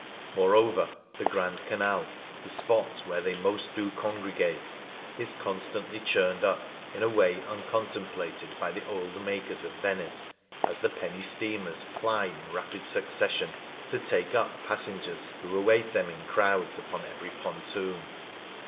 Moreover, the Grand Canal — the spot where they " most do congregate ''— is constantly churned up in a way uncontemplated by the old Makers of 152 Varia Venice, as the penny steamers ply in rapid succession to take up passengers who await them in crowds upon every pontoon.